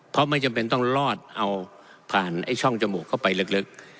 เพราะไม่จำเป็นต้องรอดเอาผ่านไอ้ช่องจมูกเข้าไปลึก